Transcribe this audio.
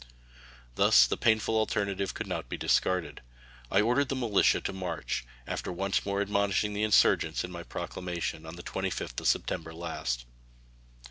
Thus the painful alternative could not be discarded. I ordered the militia to march, after once more admonishing the insurgents in my proclamation of the 25th of September last.